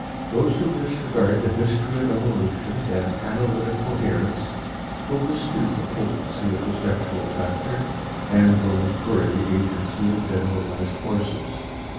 Those who disregard the history of evolution and analytic coherence, will dispute the potency of the sexual factor and will infer the agency of generalized forces.